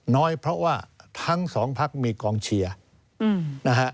น้อยเพราะว่าทั้งสองพักมีกองเชียร์นะฮะ